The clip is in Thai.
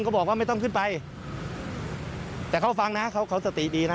บอกว่าไม่ต้องขึ้นไปแต่เขาฟังนะเขาเขาสติดีนะ